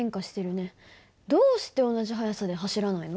どうして同じ速さで走らないの？